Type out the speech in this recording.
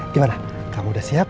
gimana kamu udah siap